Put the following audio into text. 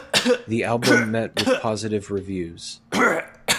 The album met with positive reviews.